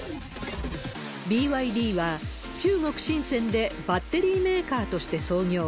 ＢＹＤは、中国・深せんでバッテリーメーカーとして創業。